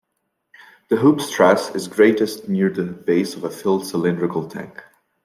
The hoop stress is greatest near the base of a filled cylindrical tank.